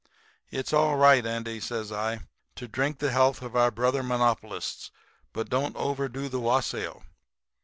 "'It's all right, Andy,' says I, 'to drink the health of our brother monopolists, but don't overdo the wassail.